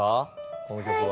この曲は。